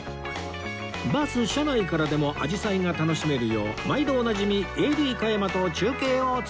バス車内からでも紫陽花が楽しめるよう毎度おなじみ ＡＤ 加山と中継を繋ぎます